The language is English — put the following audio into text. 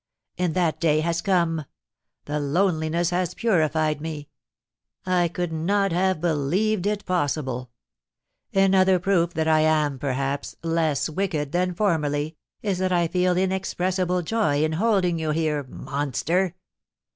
And that day has come; the loneliness has purified me; I could not have believed it possible. Another proof that I am perhaps less wicked than formerly, is that I feel inexpressible joy in holding you here, monster!